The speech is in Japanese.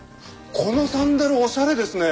このサンダルおしゃれですね！